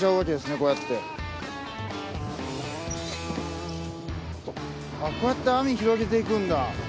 こうやって網広げていくんだ。